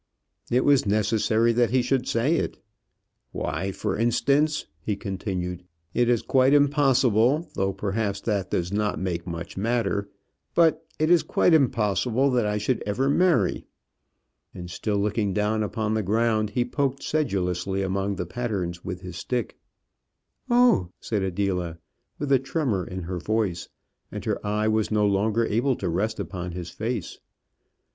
It was necessary that he should say it. "Why, for instance," he continued, "it is quite impossible, though perhaps that does not make much matter; but it is quite impossible that I should ever marry." And still looking down upon the ground, he poked sedulously among the patterns with his stick. "Oh!" said Adela, with a tremour in her voice, and her eye was no longer able to rest upon his face.